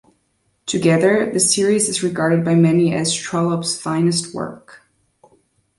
Together, the series is regarded by many as Trollope's finest work.